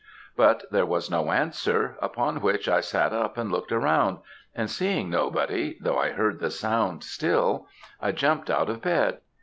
But there was no answer, upon which I sat up and looked around; and seeing nobody, though I heard the sound still, I jumped out of bed.